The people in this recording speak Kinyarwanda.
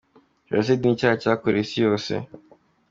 Jenoside ni icyaha cyakorewe isi yose.